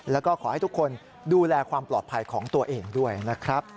แล้วก็ขอให้ทุกคนดูแลความปลอดภัยของตัวเองด้วยนะครับ